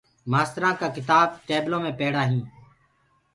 مآسترآنٚ ڪآ ڪِتآب ٽيبلو مينٚ پيڙآ هينٚ۔